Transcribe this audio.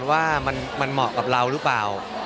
ว่ามันเหมาะกับเราหรือเปล่า